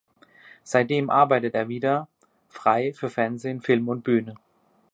Seitdem arbeitet er wieder frei für Fernsehen, Film und Bühne.